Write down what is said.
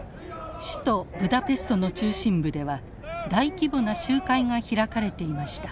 首都ブダペストの中心部では大規模な集会が開かれていました。